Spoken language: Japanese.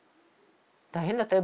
大変だったよ。